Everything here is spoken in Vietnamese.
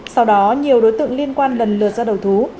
sau đó nhiều đối tượng liên quan lần lượt ra đầu thú